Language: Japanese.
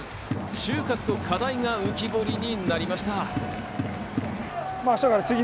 収穫と課題が浮き彫りになりました。